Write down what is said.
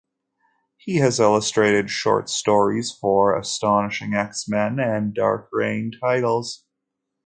He has illustrated short stories for "Astonishing X-Men" and "Dark Reign" titles.